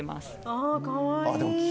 あかわいい。